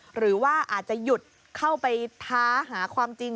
หรือว่าอาจจะหยุดเข้าไปท้าหาความจริง